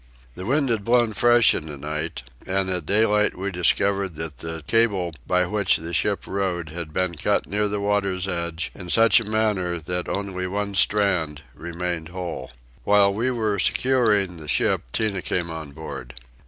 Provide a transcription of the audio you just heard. The wind had blown fresh in the night, and at daylight we discovered that the cable by which the ship rode had been cut near the water's edge in such a manner that only one strand remained whole. While we were securing the ship Tinah came on board.